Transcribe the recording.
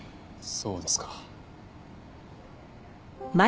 そうですか。